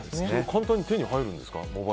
簡単に手に入るんですか？